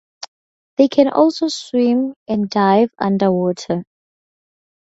They can also swim and dive underwater.